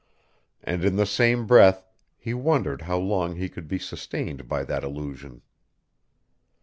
And in the same breath he wondered how long he could be sustained by that illusion.